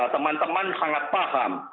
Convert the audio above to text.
teman teman sangat paham